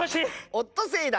オットセイだ。